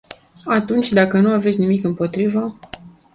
Atunci, dacă nu aveți nimic împotrivă...